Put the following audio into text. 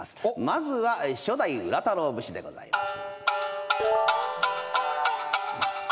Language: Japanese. まずは初代浦太郎節でございます。